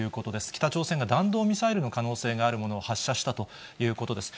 北朝鮮が弾道ミサイルの可能性があるものを発射したということです。